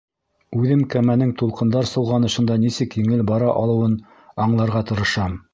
Үҙем кәмәнең тулҡындар солғанышында нисек еңел бара алыуын аңларға тырышам.